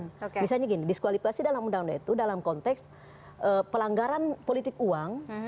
misalnya gini diskualifikasi dalam undang undang itu dalam konteks pelanggaran politik uang